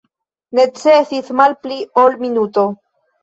Necesis malpli ol minuto